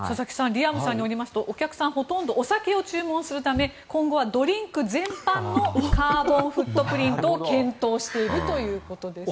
リアムさんによりますとお客さん、ほとんどお酒を注文するため今後はドリンク全般のカーボンフットプリントを検討しているということです。